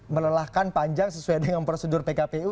melelahkan panjang sesuai dengan prosedur pkpu